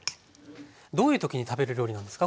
どういう時に食べる料理なんですか？